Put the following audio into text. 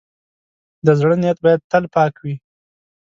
د زړۀ نیت باید تل پاک وي.